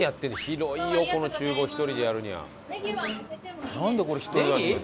広いよこの厨房１人でやるには。